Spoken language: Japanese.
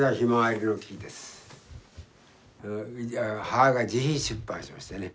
母が自費出版しましてね。